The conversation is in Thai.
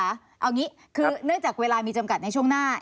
เอาอย่างนี้คือเนื่องจากเวลามีจำกัดในช่วงหน้า